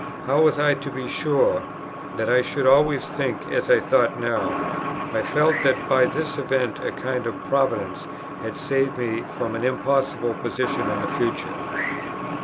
how was I to be sure that I should always think as I thought now? I felt that by this event a kind Providence had saved me from an impossible position in the future.